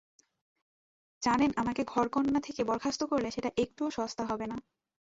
জানেন আমাকে ঘরকন্না থেকে বরখাস্ত করলে সেটা একটুও সস্তা হবে না।